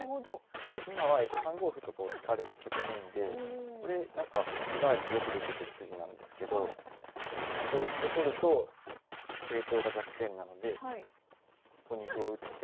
今は３五歩と突かれた局面でこれ角換わりでよく出てくる筋なんですけど同歩と取ると桂頭が弱点なのでここに歩を打って。